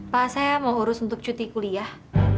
pak saya mau urus untuk cuti kuliah